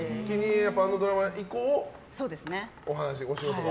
あのドラマ以降お話が。